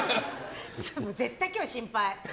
絶対、今日心配。